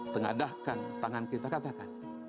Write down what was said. tengadahkan tangan kita katakan